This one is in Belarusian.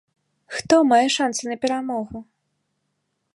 Хто мае шансы на перамогу?